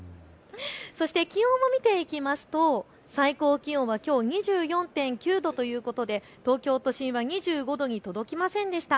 そして気温も見ていきますと最高気温はきょう２４．９度ということで東京都心は２５度に届きませんでした。